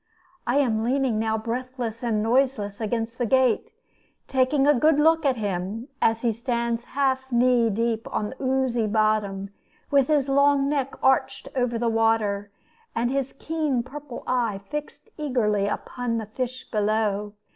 I am leaning now breathless and noiseless against the gate, taking a good look at him, as he stands half knee deep on the oozy bottom, with his long neck arched over the water, and his keen purple eye fixed eagerly upon the fish below.